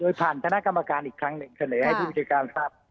โดยผ่านคณะกรรมการอีกครั้งหนึ่งเสนอให้ผู้จัดการทราบ